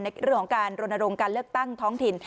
เรื่องของการรณรงค์การเลือกตั้งท้องถิ่น